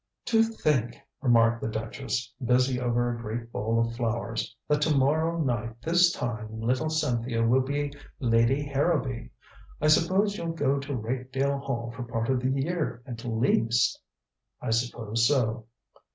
"To think," remarked the duchess, busy over a great bowl of flowers, "that to morrow night this time little Cynthia will be Lady Harrowby. I suppose you'll go to Rakedale Hall for part of the year at least?" "I suppose so."